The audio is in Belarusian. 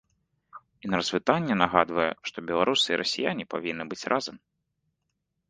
І на развітанне нагадвае, што беларусы і расіяне павінны быць разам.